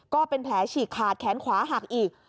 ก็เป็นแผลฉีกขาดแขนขวาหักอีก